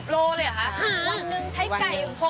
๕๐๖๐โลเลยเหรอค่ะวันหนึ่งใช้ไก่๖๐โล